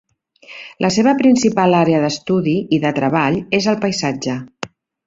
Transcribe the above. La seva principal àrea d'estudi i de treball és el paisatge.